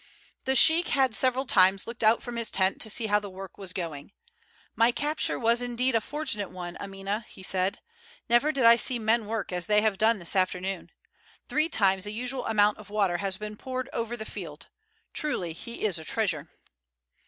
The sheik had several times looked out from his tent to see how the work was getting on. "My capture was indeed a fortunate one, Amina," he said. "Never did I see men work as they have done this afternoon. Three times the usual amount of water has been poured over the field; truly he is a treasure."